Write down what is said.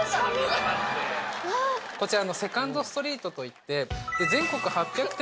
こちら。